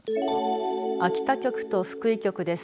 秋田局と福井局です。